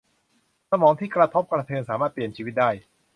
สมองที่กระทบกระเทือนสามารถเปลี่ยนชีวิตได้